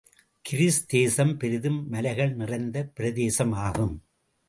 Greece தேசம் பெரிதும் மலைகள் நிறைந்த பிரதேசமாகும்.